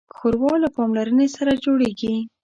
ښوروا له پاملرنې سره جوړیږي.